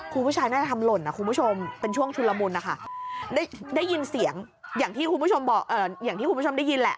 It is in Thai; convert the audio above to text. ครูผู้ชายน่าจะทำหล่นนะครูผู้ชมเป็นช่วงชุลมุนนะคะได้ยินเสียงอย่างที่ครูผู้ชมได้ยินแหละ